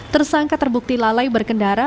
tersangka terbukti lalai berkendara